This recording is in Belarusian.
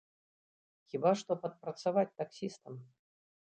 Хіба што падпрацаваць таксістам.